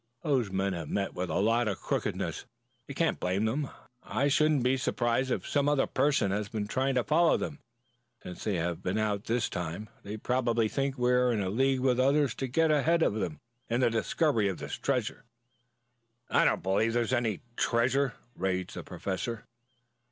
"Those men have met with a lot of crookedness. You can't blame them. I shouldn't be surprised if some other person had been trying to follow them since they have been out this time. They probably think we are in league with the others to get ahead of them in the discovery of this treasure." "I don't believe there is any treasure," raged the Professor.